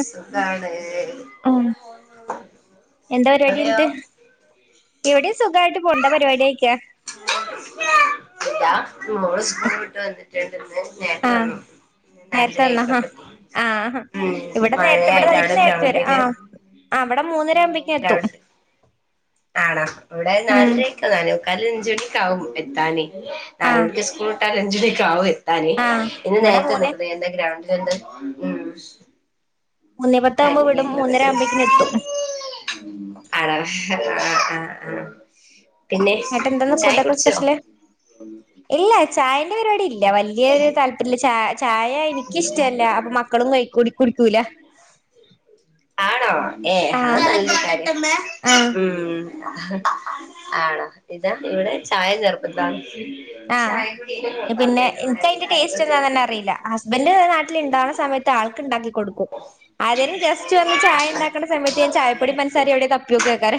സുഖാണ് ഉം അതെയോ എവിടെയും സുഖമായിട്ട് പോണ് എന്താ പരിപാടി ആയിക്കാ ഇല്ല മോള് സകൂള് വിട്ട് വന്നിട്ടേണ്ടന്ന് ഇന്ന് ആഹ് നൊരതൊവനു നേരത്തെ തന്നാഹാ ആഹ്ഹ ഉം ഇവിടെ നേരത്തെ ഇവിടെ മഴയായത് അതിൽ അവിടെ നേരത്തെ വരും ആ ഗ്രൗണ്ടില് അഹ് വിടെ മൂന്നര ഉം ആകുമ്പോക്ക എത്തും ഗ്രൗണ്ട് ആണോ ഇവിടെ ഉം നാലരക്ക ന്നാലേമുക്കാൽ അഞ്ച മണിക്കാവും എത്താന് നാല് ആഹ് മണിക്ക് സ്കൂൾ ഇട്ടാല് അഞ്ച മണിക്ക ആകും എത്താന് ആഹ് ഇന്ന് ഇവിടെ മൂന്നേ നേരത്തെക്ക എന്താ ഗ്രൗണ്ട് [unintelligible] മൂന്നേ അഹ് പത്താവുമ്പോ വിടും ങ്ങെനെള്ളത് മൂന്നര ഹ് ആവുമ്പേക്കിന് എത്തും [unintelligible] ആഹ് ആഹ് ആഹ് പിന്നെ എന്നിട്ട് എന്തെന്ന് ചായ ഫുഡൊക്കെ കുടിച്ചോ സ്പെഷ്യല് ഇല്ല ചായന്റെ പരിപാടി ഇല്ല വല്ല്യോരു താല്പര്യമില്ല ച ചായ നിക്കിഷ്ടല്ല അപ്പൊ മക്കളും കൈ കുട് കുടിക്കൂല ആണോ ഏഹ് ആഹ് അഹ് നല്ലകാര്യം ആഹ് ഉം ആണോ ഇതാ ഇവിടെ ചായ നിർഭന്താ ആഹ് പിന്നെ എനിക്ക് അയ്ന്റെ ടേസ്റ്റ് എന്താ എല്ലാരും തന്നെ അറിയില്ല ബന്റ് നാട്ടില്ണ്ടാവ്ണ സമയത്ത് ആൾക്കുണ്ടാക്കി കൊടുക്കും അതോലും ജസ്റ്റ് വന്ന് ചായ ഉണ്ടാക്കണ സമയത്ത് ഞാൻ ചായപ്പൊടി പൻസാരെ എവിടെ തപ്പിയോക്കയ്ക്കാര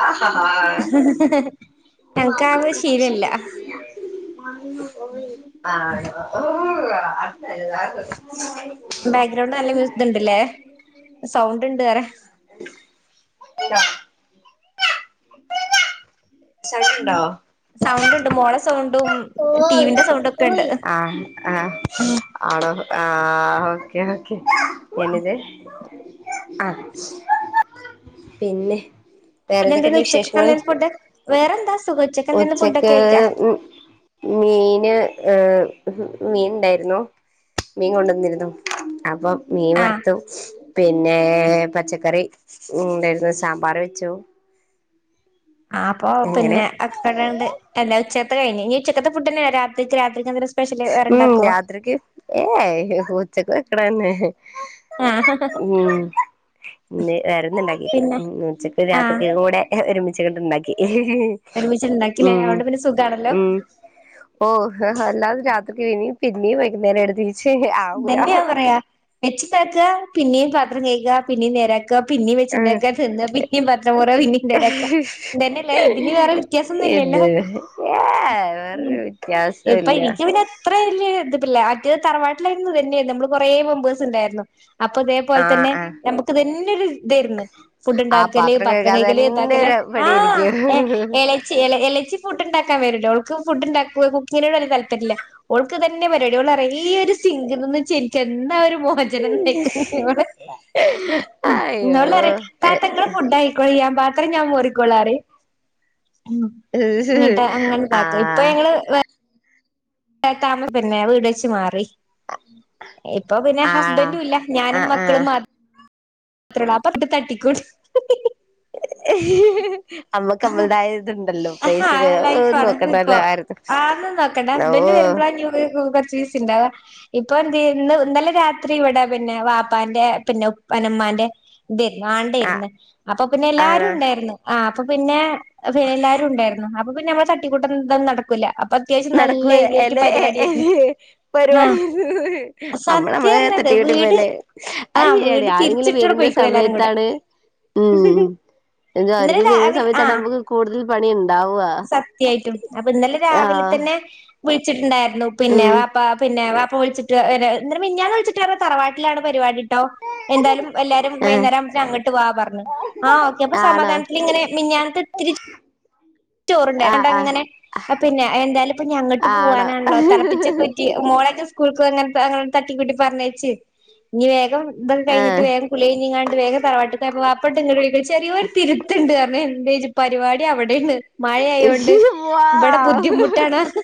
ആഹ് ഹ ആഹ് ഉ ഓ ആക്ക ആക്ക പയിസിക്കടില്ല ആഹ് ബാക്ക്ഗ്രൗണ്ട് നല്ല മ്യൂസിത്ണ്ട്ല്ലേ സൗണ്ട് ഉണ്ട്റെ [inaudible] സൗണ്ട്ണ്ടോ സൗണ്ട് ണ്ട് മോള സൗണ്ടും ടിവിന്റെ സൗണ്ടക്കെണ്ട് ആഹ് ആഹ് ആണോ ആഹ് ഓക്കെ ഓക്കെ പെണ്ണിന്റെ അഹ് പിന്നെ പിന്നെ എന്തേനു വേറെന്തൊക്കെണ്ട് ഉച്ചക്കത്തെ വിശേഷങ്ങള് എന്തേനു ഫുഡ് വേറെന്താ സുഖം എന്തേനു ഫുഡൊക്കെ ഉച്ചക്ക് കഴിക്കാ ഉം മീന് ഏഹ് മീൻണ്ടായിര്ന്നു മീൻ കൊണ്ടുന്നിരുന്നു അപ്പം മീൻ ആഹ് വറുത്തു പിന്നെ പച്ചക്കറി ഉണ്ടായിരുന്നു സാമ്പാർ വെച്ചു ആപ്പോ അങ്ങനെ പിന്നെ അക്സ്ഫറണ്ട് എല്ല ഉച്ചത്തെ കയിഞ് ഞ്ഞി ഉച്ചക്കത്തെ ഫുഡ്ന്നെയ രാത്രിക്ക് രാത്രിക്ക്ന്തെലുസ് ഉം രാത്രക്ക് ഏയ് ഉച്ചക് വെക്ക്ണേന്നെ ആഹ് ഉം ഇന്ന് വേറെന്നും ഉണ്ടാക്കിട്ടില്ല പിന്നെ ഉച്ചക്ക് ആഹ് രാത്രിതെന് കൂടെ എഹ് ഒരുമിച്ചച്ച് കണ്ട്ണ്ടാക്കി ഒരുമിച് ണ്ടാക്കില്ലേ അഓണ്ട് പിന്നെ സുഖണല്ലോ ഓഹ് അല്ലാത് രാത്രിക്ക് വിനി പിന്നി വൈകുന്നരം എടത്തി തന്നെയൻ പറയാ വെച്ച്ണ്ടാക്ക പിന്നെയും പാത്രം കൈക പിന്നെയും നേരാ ക്ക പിന്നിം ആ വെച്ചിണ്ടാക്കാ ത് ന്ന പിന്നിം ന് പത്രമോറ പിന്നിം നേരാക്ക തെന്നെല്ലേ ഇതിന് വേ വ്യത്യാസൊന്നുംല്ലല്ലോ ഇത് ഏ വേറൊരു ഇപ്പ വ്യത്യാസല്ല ഇനിക് പിന്നെ അത്ര വല്യ ഇതിപ്പല്ല അറ്റ തറവാട്ടിലായിരുന്നു തന്നെയ നമ്മള് കൊറേ മെമ്പേഴ്സ്ണ്ടായിരുന്നു അപ്പൊ ആ തേപോൽതന്നെ ആ നമുക്ക് തന്നെ ഒരു ഇതായിരുന്നു ആ ഫുഡ്ണ്ടാക്കല് പാത്രം പത്രം കഴുകാതെ കൈകല് തന്നെ താക്കല് ഒരു പണി എരിക്ക എളച്ചി ഇലച്ചി ഫുഡ്ണ്ടാക്കാൻ വരുല്ല ഓൾക്ക് ഫുഡ്ണ്ടാക്കു കുക്കിങ്ങിനോട് ഒരു താല്പര്യല്ല ഓൾക്ക് തന്നെ വര് വാ റ്യോ ളറിയു ഈ ഒര് സിംഗ് ന്ന്ന്ന് ചെൻക്ന്താ ഒരു മോ [unintelligible] ഇവള് അയ്യോ ങ്ങോട് പറ്യ താത്തങ്ങളെ ഫുഡായി കൊയ്യാം പത്രം ഞാൻ മോറിക്കോള്ളാറി ഉം ഇങ്ങ്ട്ട് ആ അങ്ങൻതാക്കും ഇപ്പൊ ഞങ്ങള് എഹ് താമ പിന്നെ വീട്ച്ച് മാറി. ഇപ്പൊ പിന്നെ ആണോ ഹസ്ബന്റുംല്ല ആ ഞാനും ആ മക്കളും മാ ത്രൊള്ളൂ അപ്പങ്ങ്ട് തട്ടിക്കൂട്ട് മ്മക്ക് മ്മളെതായ ഇത്ണ്ടല്ലോ? അഹാ ലൈഫാണ് ഇപ്പൊ ആന്നും നോക്കണ്ട ഓ ഹസ്ബന്ഡ് വരുമ്പളാഞ്ഞീ കൊറച്ചീസ് ഇണ്ടാവാ. ഇപ്പൊ എന്ത് ഇന്ന് ഇന്നലെ രാത്രി ഇവിടെ പിന്നെ വാപ്പാന്റെ പിന്നെ ഉപ്പന്റെമ്മാന്റെ ദേരുന്നു ആ ആണ്ടേര്ന്ന്. അപ്പൊ പിന്നെ ആണോ എല്ലാരുംണ്ടായിരുന്നു. ആ അപ്പൊ പിന്നെ പിന്നെ എല്ലാ രുണ്ടായിരുന്നു അപ്പൊ പിന്നെ നമ്മളെ തട്ടികൂട്ടലും തൊന്നും നടക്കൂല്ല. അപ്പോത്യാവശ്യം നടക്കൂ നല്ല ഹൈലൈറ്റ് അല്ലെ പരിവേടിയ്രുന്നു. പരിപാടി ആഹ് നമ്മള് നമ്മളെ സത്യാർഞ്ഞത് തട്ടിക്കൂട്ടി വീട് മേലെ അത് ആഹ് ശരിയാണ് വീട് ആരെങ്കിലും തിരിച്ചിട്ടട് വരുന്ന പൊയ്കുണു എല്ലാരും കൂടെ. എന്തോ ഇന്നലെ അവരൊക്കെ വരുന്ന രാവിലെ ആഹ് സമയത്താണമ്മക്ക് കൂടുതൽ പണി ഇണ്ടാവുക. സത്യായിട്ടും അപ്പൊ ഇന്നലെ രാവിലെതന്നെ വിളിച്ചിട്ടുണ്ടായിരുന്നു പിന്നെ ഉം വാ പ്പ പിന്നെ വാപ്പ വിളിച്ചിട്ട് വരാ ന്നിട്ട് മിഞ്ഞാന്ന് വിളിച്ചിട്ടർഞ്ഞു തറവാട്ടിലാണ് പരിവാടിട്ടോ എന്തായാലും എല്ലാരും ആഹ് വൈന്നേരാവുംബത്തിന് അങ്ട്ട് വാ പറഞ്ഞു. ആഹ് ഓക്കെ അപ്പോ ആണോ സമാധാനത്തിലിങ്ങനെ മിഞ്ഞാന്നത്തെത്തിരി ചോറ്ണ്ടായിന്നു. ആഹ് അണ്ടങ്ങനെ ആഹ് പിന്നെ എന്തായാലും ഇപ്പഞ്ഞി അങ്ങ്ട്ട് ആഹ് പോവാനാണല്ലോ തളപ്പിച്ചൊക്കൂറ്റി മോളെക്കെ സ്കൂൾക്കങ്ങത്തെ അങ്ങനെ തട്ടിക്കൂട്ടി പറഞ്ഞയച്ച് ഇനി വേഗം ഇതങ്ങ്ട് കയ്ഞ്ഞിട്ട് ആണോ വേഗം കുളിയ്ഞ്ഞങ്ങാണ്ട് വേഗം തറവാട്ടിക്കോവാ ഇപ്പണ്ട്ങ്ങിട് വിളിക്കുണു ചെറിയോരു തിരുത്ത്ണ്ട്ർഞ്ഞു. എന്തേച്ചു പരിവാടി അവ്ടേണ് മഴയായോണ്ട് ആഹ് ഇവിടെ വാവ് ബുദ്ധിമുട്ടാണർഞ്ഞു.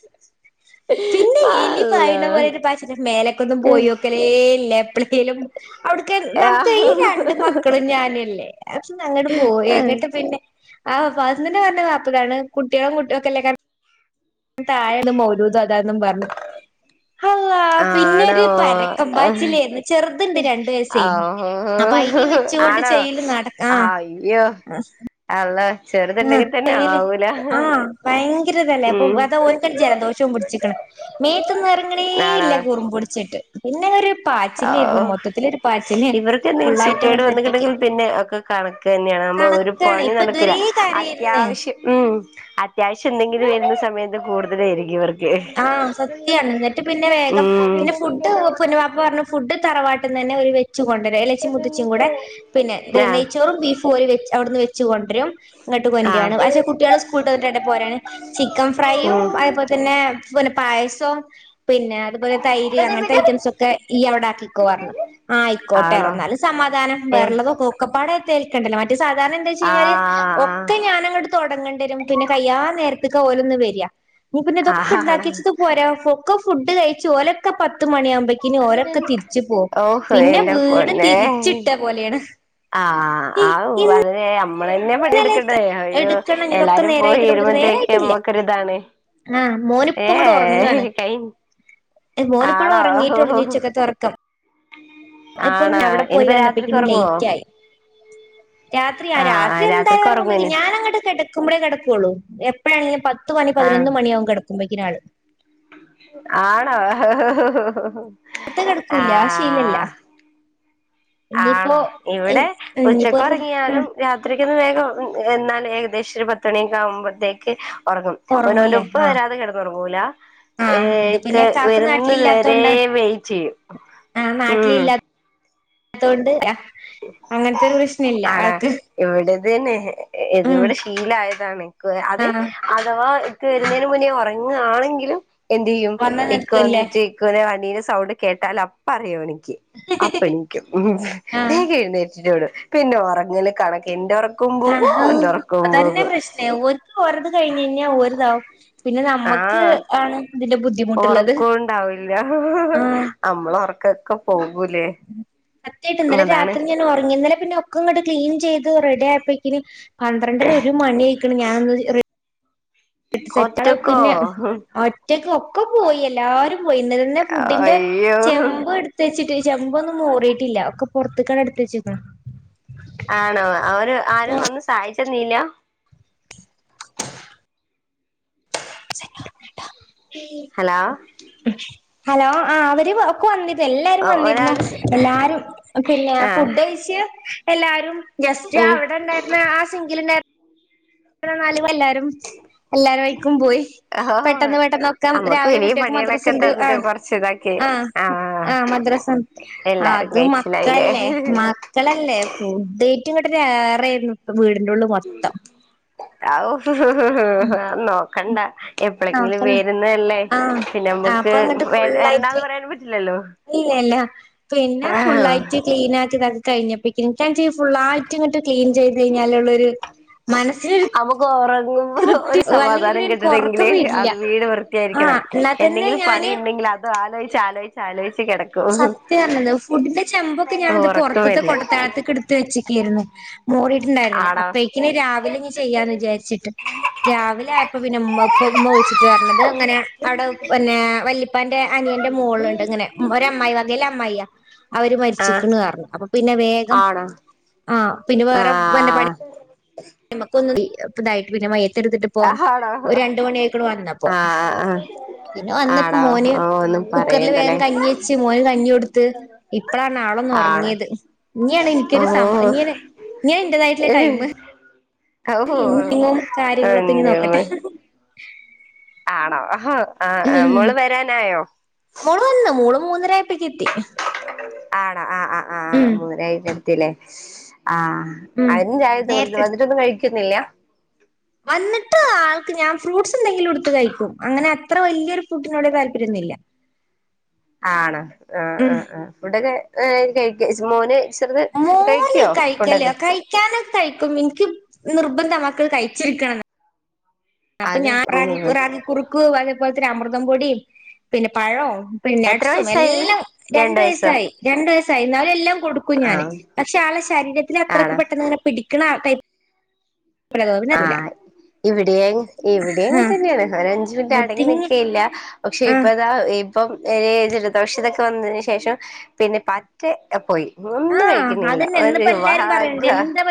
പിന്നെ എലി അള്ളാ പായിണമാരി ഒരു പാച്ല മേലക്കൊന്നും പോയോക്കലേല്ല എപ്പളേലും അവിട്ക്ക നമുക്ക് ഈ ആണോ രണ്ട് മക്കളും ഞാനോല്ലേ? ന്നങ്ങിട് പോയി. ഇങ്ങ്ട്ട് പിന്നെ ആ വന്നിട്ട് പറഞ്ഞത് വപ്പതാണ് കുട്ടികളും കുട്ടി ഒക്കെല്ലേ താഴേര്ന്ന് മൗലൂതോതാന്നും പർഞ്ഞു. ആണോ? പാച്ചിലായിരുന്നു ചെറുതുണ്ട് രണ്ട് വയസ്സേ അപ്പൊ അയിനേം ആഹ് വെച്ചുകൊണ്ട് ആണോ? ചെയ്യല് നട ആ അയ്യോ ആ അള്ളോ ചെറുത്ണ്ടെങ്കി ആഹ് തന്നെ തയ്യല് ആവൂല. ആഹ് ഭയങ്കരതല്ലേ അപ്പൊ ഉം അത് ഓൻക്കൊരു ജലദോഷോം പുടിച്ചിക്ക്ണ്. മേത്ത്ന്നെറങ്ങ്ണേ ഇല്ല കുറുമ്പുടിച്ചിട്ട്. ഔ പാച്ചില് ഇവർക്കെന്തെലും ഫുള്ളായിട്ട് സൂക്കേട് അങ്ങട്ട് സെറ്റാക്കി വന്നിട്ടുണ്ടെങ്കി പിന്നെ ഒക്കെ കണക്ക് തന്നെയാണ് നമ്മളെ ഒരു കണക്കാണ് പണി ഇപ്പൊ നടക്കൂല. ഇതുവരേ കരയാരുന്ന് അത്യാവശ്യം ഉം അത്യാവശ്യം എന്തെങ്കിലും വരുന്ന സമയത്ത് കൂടുതലായിരിക്കുംവർക്ക്. ആഹ് സത്യാണ് ന്നിട്ട് പിന്നെ വേഗം ഉം പിന്നെ ഫുഡ് പിന്നെവാപ്പറഞ്ഞു ഫുഡ് തറവാട്ട്ന്നാന്നെ ഓല് വെ വെച്ച് കൊണ്ടരാ. എളേച്ചിം മൂത്തച്ചീ കൂടെ പിന്നെ ത് ആഹ് നെയ്ച്ചോറും ബീഫും ഓല് വെച്ച് അവ്ട്ന്ന് വെ ച്ച് കൊണ്ടരും. ഇങ്ങട്ട് ആഹ് കൊണ്ട്രാണ് പക്ഷെ കുട്ടിയേള് സ്കൂൾട്ട്വന്നിട്ട് വാണ്ടേ പോരാന്. ചിക്കൻ ഫ്രൈയും ഉം അതേപോ ൽതന്നേ പിന്നെ പായസോം പിന്നെ അതുപോലെ തൈര് അങ്ങൻത്തെ ഐറ്റംസൊക്കെ ഇയ്യവടെ ആക്കിക്കോർഞ്ഞു. ആ ആയിക്കോട്ടെർഞ്ഞു. ആണോ ഇന്നാലും സമാധാനം ഏഹ് വേറള്ളതൊക്കോല് ഒക്കപ്പാടായ് ട്ട് ഏൽക്കണ്ടല്ലോ മറ്റേത് സാധാരണ എന്തേയ്ച്ചയ്ഞ്ഞാല് ആഹ് ഒക്കെ ഞാനങ്ങ്ട് തൊടങ്ങേണ്ടരും പിന്നെ കയ്യാനേരത്ത്ക്കാ ഓലൊന്ന് വര. ഞ്ഞീ പിന്നെ ഇതൊ ആഹ് ആണോ ക്കോരോ ഒക്കെ ഫുഡ് കഴിച്ച് ഓലൊക്കെ പത്ത് മണിയാവുമ്പേ ക്കിന് ഓരൊക്കെ തിരിച്ചു പോവും. ഓഹ് പിന്നെ എന്റെ വീട് തിരിച്ചിട്ട പോലേണ്. ആ ആഹ് അത് വളരെ നമ്മളന്നെ പണിയെടുക്കണ്ടതേ അയ്യോ എടുക്കണം ഇതൊക്കെ എല്ലാരും നേരായി പോയി കിട്ടുമ്പോ വരുമ്പത്തേക്കേ നേരായിട്ടില്ല നമ്മക്കൊരുതാണെ. ആഹ് ഏ മോനിപ്പ കൈ മോനെപ്പോഴും ആണോ ഉറങ്ങീട്ട് ഒളിഞ്ഞ ഉച്ചക്ക തുറക്കം ഇപ്പൊ ആണോ അവിടെ പോയി ഇനിപ്പോ രാത്രിക്ക് വന്നപ്പിക്കും ഉറങ്ങുവോ ലേറ്റ് ആയി രാത്രിയാ ആ രാത്രി എന്തായ രാത്രിക്ക് ഇറങ്ങുമ്പോ ഉറങ്ങുന് ഞാാന അങ്ങോട്ട് കിടക്കുമ്പോഴേ കിടക്കുവുള്ളു എപ്പോഴണെങ്ക പത്ത് മണി ആ പതിനൊ മണിയാകും കിടക്ക്പോഴക്കാള് ആണോ ഇ ആ കിക്കൂല ശീലല്ല ഇനിയിപ്പോ ആണോ ഇവിടെ ഇനിയിപ്പോ ഉച്ചക്ക് ഒരു ഉറങ്ങിയാലും രാത് ഒത്തിരിക്കുന്ന വേഗം എന്നാൽ ഏകദേശം ഒരു പത്ത് മണിയൊക്കെ ആവുമ്പോഴത്തേക്ക് ഉറങ്ങും ഓന്റെ ഉറങ്ങൂല്ലേ ഉപ്പ ആ വരാതെ കിടന്നുറങ്ങൂല ആഹ് ഇത് ഏക്ക പിന്നെ കാക്കു വരുന്നത് വരെ നാട്ടിലില്ലാത്തോണ്ട് വെയ്റ്റ് ചെയ്യും ആഹ് നാട്ടില ഉം ഇല്ലാത്തല്ലാത്തൊണ്ട് അങ്ങനത്തെരു പ്രശ്ന ഇല്ല ആൾക്ക് ഇവിടതന്നെ ഉം ഇത്വ്ടെ ശീലായതാണ് എന്ക്ക അത് ആഹ് അഥവാ വരുന്നതിന് മുന്നേ ഉറങ്ങുകയാണെങ്കിലും എന് ചെയ്യും വന്ന് എക്കെ നിൽക്കല്ലേ വന്നിട്ട് വണ്ടീ സൗണ്ട് കേട്ടാൽ അപ്പ അറിയോ എനിക്ക് അപ്പ എനിക്കും ആഹ് റ്റിട്ടോട പിന്നെ ഉറങ്ങില് കണക്ക് എൻന്റെ ഉറക്കം പോകോ എന്റെറ ഉറക്കം പോകും വെറത് കഴിഞ്ഞ് കഴിഞ്ഞാൽ വറുതാവും പിന്നെ നമ്മുക്ക് ആഹ് ഇതിന്റെ ബുധി ഉറക്കംണ്ടാവില്ല ആഹ് നമ്മള ഉറക്കൊക്കെ പോകൂലേ സത്യായിട്ട് ഇന്നലെ അതാണ് രാത്രി ഞാൻ ഉറങ്ങി ഇന്നലെ പിന്നെ ഒക്കെ ഇങ്ങോട്ട് ക്ലീൻ ചെയ്ത് റെഡി ആപ്പോക്കിന് പന്ത്രണ്ടര ഒരു മണി ആയിക്കണ് ഞാനൊന്ന് സെറ്റൾ ഒറ്റക്കോ പിന്നെ ഒറ്റക്ക് ഒക്കെ പോയി എല്ലാരും പോയി ഇന്നല തന്നെ ഫുഡിന്റെ അയ്യോ ചെമ്പ് എടു തെച്ചിട്ട് ചെമ്പൊന്നും മോറിയിട്ടില്ല ഒക്കെ പുറത്ത് കണ എടുത്ത് വച്ചക്കണം ആണോ അവര് ആരും വന്ന് സഹായിച്ചനീല ഹലോ ഹലോ ആഹ് അവര് വന്നി എല്ലാരും വന്നിരുന്നു ഒരാള് എല്ലാരും പിന്നെ ആഹ് ഫുഡ് കഴിച്ച് എല്ലാരും ജസ്റ്റ് ഉം അവിടെ ഉണ്ടായിരുന്ന ആഹ് സിങ്കിൽ ഉണ്ടായിരുന്നാലും എല്ലാവരും എല്ലാരും വഴക്കും പോയി ഓഹ് പെട്ടെന്ന് പെട്ടെന്ന് ഒക്കാം അമ്മക്ക് രാവിലെ വലിയ കുട്ടിയൊക്ക പണികളൊക്കെ മദ്രസുണ്ട് തന്നിട്ട് ആഹ് കൊറച്ച് ഇതാക്കി ആഹ് ആഹ് മദ്രാസ എല്ലാരും അത് കഴിച്ചിലായില്ലേ മക്കല്ലേ മക്കളല്ലേ ഫുഡ് ഏറ്റവും കൂട്ട വേറെ വീടിന്റെറെ ഉള്ളിൽ മൊത്തം നോക്കണ്ട എപ്പഴെങ്കിലും നോക്കന്നെ വേരുന്നതല്ലേ ആഹ് പിന്നെ അപ്പൊ നമ്മുക്ക് വ വരണ്ടാന്ന് പറയാനും പറ്റില്ലല്ലോ ഇനല്ല പിന്നെ ആഹ് ഫുള്ളായിട്ട് ക്ലീൻ ആയിട്ട് ഇതാക്കി കഴിഞ്ഞപ്പ [unintelligible] ഫുള്ള ആയിട്ട് ഇങ്ങോട്ട് ക്ലീൻ ചെയ്ത് കഴിഞ്ഞാള്ളുരു മനസൊ നമുക്ക് ഉറങ്ങുമ്പോ ഒരു സമാധാനം പിന്നെ എനിക്ക് ഉറക്കം കിട്ടണെങ്കിലേ വരില്ല അത് വീട് വൃത്തിയായിരിക്കണം ആഹ് എന്നാ തന്നെ എന്തെങ്കിലും പണി ഞാന് ഉണ്ടെങ്കിൽ അത് ആലോചിച്ച് ആലോചിച്ച് ആലോചിച്ച് കിടക്കും സത്യ പറഞ്ഞത് ഫുഡിന്റെ ചെമ്പൊക്കെ ഞാനിത് ഉറക്കം പുറത്ത്ത്തെ വരില്ല കൊട്ടത്തഴത്തേക്ക് എടുത്ത് വെച്ചക്കായിരുന്നു മോറിയിട്ടുണ്ടായിരുന്നില്ല ആണോ അപ്പേയേക്കിനീ രാവിലെ ഇനി ചെയ്യാന്ന് വിചാരിച്ചിട്ട് രാവിലെ ആയപ്പോ പിന്നെ ഉമ്മപ്പ ഉമ്മ വിളിച്ചിട്ട് വരണത് അങ്ങനെ അവിടെ പിന്നെ വ അപ്പം എൻ്റെനിയൻ്റെ മോളുണ്ട് ഇങ്ങനെ ഒരമ്മായി അകേല അമ്മായിയ അവര് ആഹ് മരിച്ചിക്കുന്നു പറഞ്ഞു അപ്പൊ പിന്നെ വേഗം ആണോ ആഹ് പിന്നെ വേറെ വ പണി ആഹ് നമക്കൊന്ന് ഇ ഇതായിട്ട് പിന്നെ മയ്യത്തെടുത്തിട്ട ഇപ്പപ്പോ ആണോ ഒരു രണ്ട് മണിയ ആക്കൂടെ വന്ന ആഹ് ആഹ് പിന്നെ വന്നപ്പോ ആണോ മോന് ഓ ഒന്നും കുക്കറില് വേഗം പറയണ്ടല്ലേ കഞ്ഞി വെച്ച് മോന് കഞ്ഞി കൊടുത്ത് ഇപ്പഴാണ് ആളൊന്ന ആണോ ഉറങ്ങിയത് ഇനാണ് ഓ എനിക്കരു സമ ഇങ്ങെ ഇങ്ങൻെതായിട്ടുള്ള ടൈമ് ഓ ഇങ്ങും കാര്യങ്ങളൊക്കെ ഇനി നോക്കട്ടെ എന്റമ്മേ ആണോ ആഹ് ആഹ് ഉം മോള് വരാനായോ മോള് വന്ന് മോള് മൂന്നരയപ്പത്തേക്ക് എത്തി ആടോ ആഹ് ആഹ്ആഹ് ഉം മൂന്നായിരത്തില്ലേ ആഹ ഉം അതിചായ മോള് നേരത്തെ വന്നിട്ടൊന്നും കഴിക്കുന്നില്ല വന്നിട്ട് ആൾക്ക് ഞാൻ ഫ്രൂട്ട്സ് എന്തങ്കിലും എടുത്ത് കഴിക്കും അങ്ങനെ അത്ര വലിയൊരു ഫുഡിനോട് താല്പര്യംന്നില്ല ആണോ ആഹ് ഉം ആഹ് ആഹ് ഫുഡൊക്കെ കഴി മോന് ചെറുത് കഴിക്കുവോ ഫുഡൊക്കെ കിക്കാനൊക്കെ കഴിക്കും എനിക്ക് നിർബന്ധംമാ മക്കൾ കഴിച്ചിരിക്കണം അപ്പൊ അത് ഞാൻ റാഗി റാഗിക്കുറുക്ക് അതേപോലെ തന്നെ അമൃതം പൊടി പിന്നെ പഴം എത്ര പിന്നട്‌സും വയസായി എല്ലാം രണ്ട് വയസ്സായി രണ്ടു ദിവസ ആയി എന്നാലും എല്ലാം കൊടുക്കും ഞാാന് ആഹ് പക്ഷെ ആളെ ശരീരത്തിൽ അത്രക്ക് ആണോ പെട്ടെന്ന്ങ്ങനെ പിടിക്കണാ ആടൈ [unintelligible] ആഹ് ഇവിടെ ഇവിടെ അങ്ങെ തന്നെയാണ് ഒര അഞ്ച്മിനിറ്റ് അടങ്ങി ഒതുങ്ങി നിക്കയില്ല പക്ഷെ ആ ഇപ്പതാ ഇപ്പം ഏ ജലദോഷതൊക്കെ വന്നതിന് ശേഷം പിന്നെ പറ്റ പോയി ഒന്നും ആഹ് കഴിക്കണില്ല അതന്നെ ഒരു ഇന്നിപ്പോ എല്ലാരും വാഗ പറയണ്ട് എന്താ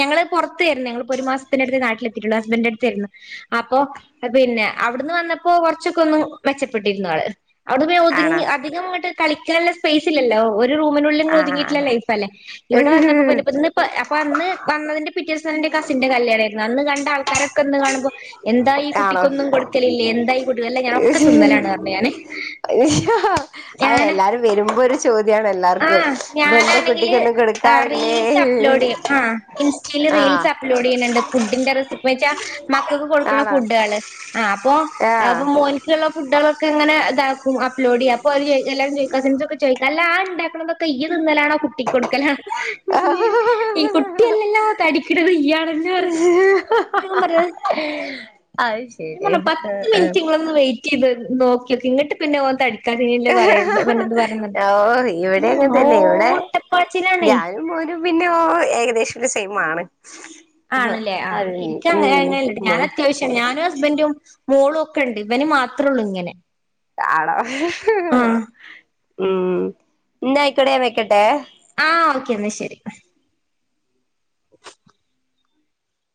ഞങ്ങള് പുറത്തേരുന്നു ഞങ്ങളിപ്പോ ഒരു മാസത്തിൻ്റെടുത്ത് നാട്ടിലെത്തിയിട്ടുള്ളൂ ഹസ്ബൻഡിൻ്റെടുത്തേരുന്നു അപ്പൊ പിന്നെ അവിടുന്ന് വന്നപ്പോ കുറച്ചൊക്കെ ഒന്നും മെച്ചപ്പെട്ടിരുന്നു ആള് അവിടെ പിന്നെ ഒതുങ്ങി ആണോ അധികംങ്ങട്ട് കളിക്കാനുള്ള സ്പേസ് ഇല്ലോ ഒരു റൂമിനുള്ളിൽ ഒതുങ്ങിട്ട് നല്ല ആഹ് വലിപ്പല്ലേഇവിടെ വന്ന പ്പോ ഇന്ന് പോഅന്ന് വന്നതിൻ്റെ പിറ്റേസം ഇൻ്റെകസിന്റെ കല്യാണ ആയിരുന്നു അന്ന് കണ്ട ആൾക്കാരൊക്കെ ഇന്ന് കാണുമ്പോ എന്താ ഈ ആണോ കുട്ടിക്കൊന്നും കൊടു ലില്ലേ എന്താകുട്ടിഞാനൊക്കെ തിന്നലാണ് പറഞ്ഞ ഞാ ആ എല്ലാരും വരുമ്പോ ഒരു ചോദ്യ ാണ് ആ എല്ലാർക്കും ഇതെന്താ ഞാനാണെങ്കില് കുട്ടിിക്കൊന്നും കൊടുക്കാറില്ലേ ആഹ് ഇൻസ്റ്റയിൽ ആഹ് റീൽസ് അപ്ലോഡ് ചെയ്യുന്നുണ്ട് ഫുഡിന്റെ റെസിപ്പിന്ന് വെച്ചാൽ മക്കൾക്ക് കൊടുക്കുന്ന ആണോ ഫുഡുകള് ആഹ് അപ്പൊ ആഹ് അകും മോൻ ുള്ള ഫുഡുകളൊക്കെങ്ങനെ ഇതാക്കും അപ്ലോഡ് ചെയ്യ അപ്പോ എല്ലാവ കസിൻസ് ഒക്കെ ചോദിക്ക അല്ല ആ ഉണ്ടാക്കണെ യ്യ്തിന്നലാണോ കുട്ടി കൊടുക്കലാണോന്ന് ഈ കുട്ടിയല്ലെല്ലാ തടിക്ക്ണത് ഇയാളല്ല ഞൻ പറത് ആയ് ങ്ങോ പത്ത് മിനിറ്റ് ഇങ്ങള ഒന്ന് വെയിറ്റീത് നോക്കിയോക്കെ ഇങ്ങിട്ട് പിന്നെ ഓന് തട് [unintelligible] പറയണ്ട പിന്നെന്ത് പറയ ആഹ് ഓ ഇവിടെ അങ്ങനെ ഒട്ടപ്പാച്ചലാണേ ഇപ്പ പിന്നെ ഓഏകദേശം സൈ മാണ് ആണല്ലേ ആ ഇനി ക്കങ്ങനണ്ട് ഞാൻ മോൻ അത്യാവശ്യം ഞാനും ഹസ്ബന്റും മോളും ഒക്കെ ഉണ്ട് ഇവന് മാത്രേള്ളു ഇങ്ങനെ താട ആഹ് ഉം ഇന്നാ അയിക്കോട്ടേ വെക്കട്ടെ ആഹ് ഓക്കെ ന്നാ ശെരി